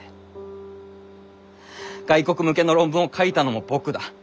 外国向けの論文を書いたのも僕だ。